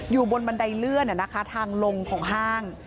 อยู่บนบันไดเลื่อนทางลงของห้าง